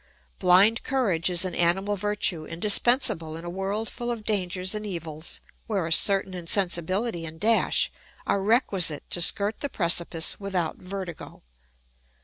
Blind courage is an animal virtue indispensable in a world full of dangers and evils where a certain insensibility and dash are requisite to skirt the precipice without vertigo.